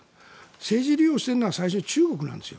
政治利用しているのは最初は中国なんですよ。